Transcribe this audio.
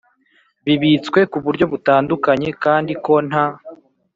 bibitswe ku buryo butandukanye kandi ko nta